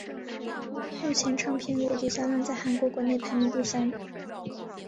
目前唱片累计销量在韩国国内排名第三。